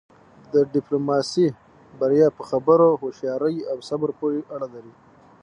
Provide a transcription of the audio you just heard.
د ډیپلوماسی بریا په خبرو، هوښیارۍ او صبر پورې اړه لری.